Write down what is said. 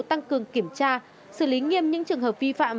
tăng cường kiểm tra xử lý nghiêm những trường hợp vi phạm